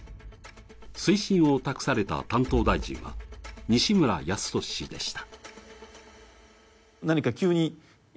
推進を託された担当大臣は西村康稔氏でした。